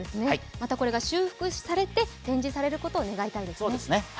またこれが修復されて展示されることを願いたいですね。